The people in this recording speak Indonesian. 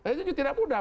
itu tidak mudah